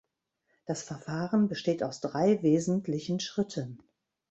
Das Verfahren besteht aus drei wesentlichen Schritten.